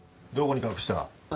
どこに隠した？